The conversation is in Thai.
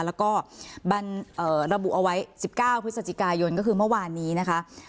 แล้วก็ระบุเอาไว้๑๙พฤศจิกายนก็คือเมื่อวานนี้นะคะ